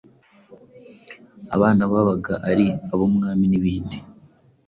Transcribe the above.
abana babaga ari ab’umwami n’ibindi.